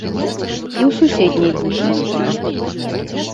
І ў суседняй будцы спалі.